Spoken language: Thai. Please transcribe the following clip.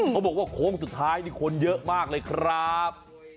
เขาบอกว่าโค้งสุดท้ายนี่คนเยอะมากเลยครับ